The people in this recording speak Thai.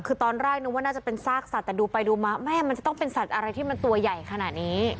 คือตอนแรกนึกว่าน่าจะเป็นซากสัตว์แต่ดูไปดูมาแม่มันจะต้องเป็นสัตว์อะไรที่มันตัวใหญ่ขนาดนี้